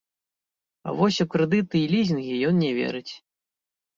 А вось у крэдыты і лізінгі ён не верыць.